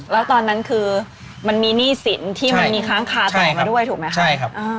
แล้วตอนนั้นคือมันมีหนี้สินที่มันมีค้างคาต่อมาด้วยถูกไหมคะใช่ครับ